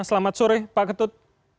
selamat sore pak ketut